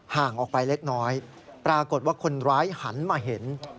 ห่างออกไปเล็กน้อยปรากฏว่าคนร้ายหันมาเห็น